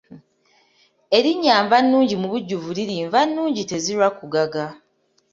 Erinnya Nvannungi mubujjuvu liri Nvannungi tezirwa kugaga.